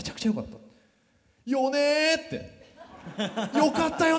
「よかったよね